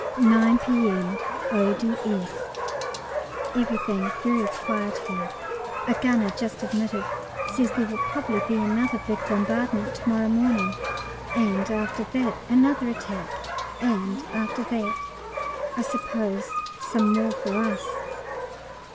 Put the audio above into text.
9 P.M., O.D.S. Everything very quiet here. A gunner just admitted says there will probably be another big bombardment to morrow morning, and after that another attack, and after that I suppose some more for us.